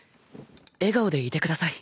笑顔でいてください。